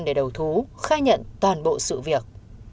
để đầu thú khai nhận toàn bộ sự việc